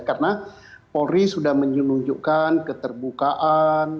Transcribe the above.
karena polri sudah menunjukkan keterbukaan